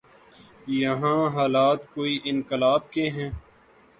یہاں حالات کوئی انقلاب کے ہیں؟